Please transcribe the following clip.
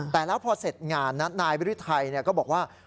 แต่แล้วพอเสร็จงานนายบริไทยก็บอกว่า